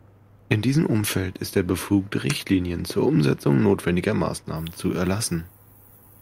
In diesem Umfeld ist er befugt, Richtlinien zur Umsetzung notwendiger Massnahmen zu erlassen.